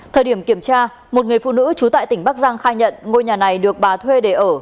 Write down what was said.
thời điểm kiểm tra một người phụ nữ trú tại tỉnh bắc giang khai nhận ngôi nhà này được bà thuê để ở